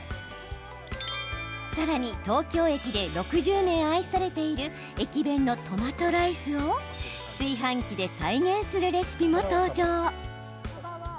さらに東京駅で６０年愛されている駅弁のトマトライスを炊飯器で再現するレシピも登場。